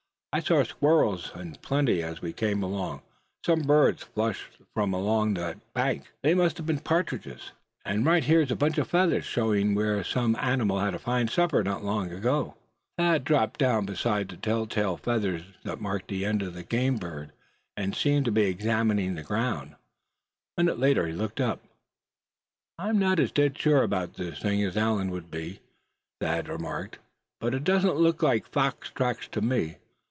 I saw squirrels in plenty as we came along; some birds flushed from alongside that bank that must have been partridges; and right here's a bunch of feathers, showing where some animal had a fine supper not long since." Thad dropped down beside the telltale feathers that marked the end of a game bird, and seemed to be examining the ground. A minute later he looked up. "I'm not as dead sure about this thing as Allan would be," Thad remarked; "but it doesn't look like fox tracks to me.